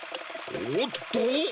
おっと！